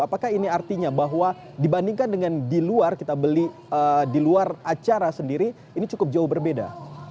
apakah ini artinya bahwa dibandingkan dengan di luar kita beli di luar acara sendiri ini cukup jauh berbeda